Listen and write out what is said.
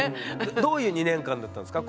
どういう２年間だったんですか？